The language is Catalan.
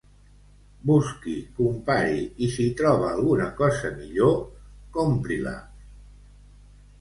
Busqui, compari, i si troba alguna cosa millor, compri-la.